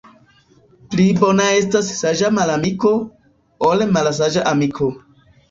Pli bona estas saĝa malamiko, ol malsaĝa amiko.